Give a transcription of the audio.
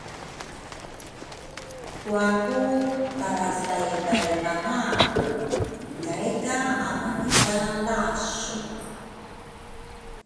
kuaku tarasaibaibangaku. Kai ka amani ka lasu.